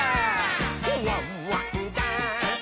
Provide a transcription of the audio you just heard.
「ワンワンダンス！」